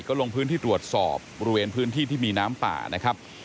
ก็ลงพื้นที่ตรวจสอบบริเวณพื้นที่ที่มีน้ำป่านะครับ